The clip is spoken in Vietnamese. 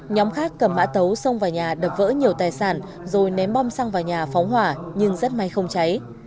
nhóm khác cầm mã tấu xông vào nhà đập vỡ nhiều tài sản rồi ném bom xăng vào nhà phóng hỏa nhưng rất may không cháy